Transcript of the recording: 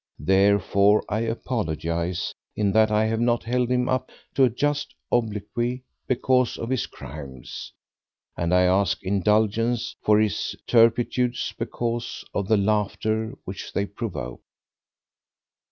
Therefore, I apologize in that I have not held him up to a just obloquy because of his crimes, and I ask indulgence for his turpitudes because of the laughter which they provoke.